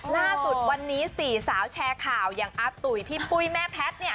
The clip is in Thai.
ล่าสุดวันนี้๔สาวแชร์ข่าวอย่างอาตุ๋ยพี่ปุ้ยแม่แพทย์